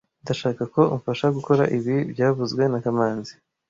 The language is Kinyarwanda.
Ndashaka ko umfasha gukora ibi byavuzwe na kamanzi